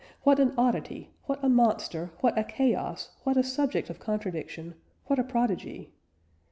What an oddity, what a monster, what a chaos, what a subject of contradiction, what a prodigy!